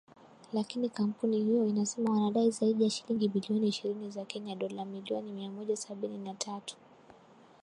Lakini kampuni hiyo inasema wanadai zaidi ya shilingi bilioni ishirini za Kenya dola milioni mia moja sabini na tatu.